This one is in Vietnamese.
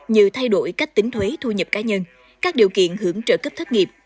như thay đổi cách tính thuế thu nhập cá nhân các điều kiện hưởng trợ cấp thất nghiệp